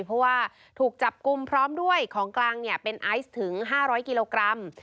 เพราะว่าถูกจับกลุ่มพร้อมด้วยของกลางเป็นไอซ์ถึง๕๐๐กิโลกรัม